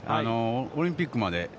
オリンピックまで。